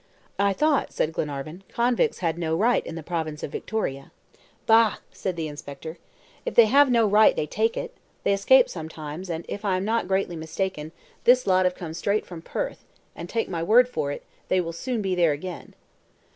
"I thought," said Glenarvan, "convicts had no right in the province of Victoria." "Bah!" said the inspector, "if they have no right, they take it! They escape sometimes, and, if I am not greatly mistaken, this lot have come straight from Perth, and, take my word for it, they will soon be there again."